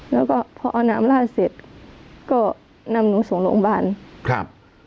แล้วก็พอเอาน้ำลาดเสร็จก็นำหนูส่งโรงพยาบาลครับ